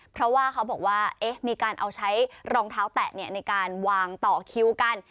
เพราะว่าเขาบอกว่ามีการเอาใช้รองเท้าแตะในการวางต่อคิวกัน